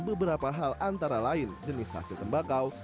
beberapa hal antara lain jenis hasil tembakau